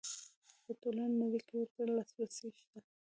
په ټوله نړۍ کې ورته لاسرسی شته.